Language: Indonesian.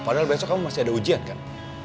padahal besok kamu masih ada ujian kan